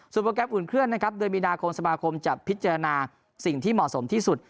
โปรแกรมอุ่นเคลื่อนนะครับเดือนมีนาคมสมาคมจะพิจารณาสิ่งที่เหมาะสมที่สุด